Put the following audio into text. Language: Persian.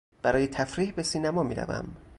برای تفریح به سینما میروم.